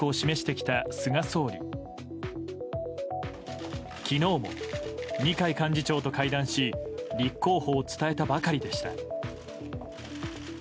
きのうも二階幹事長と会談し、立候補を伝えたばかりでした。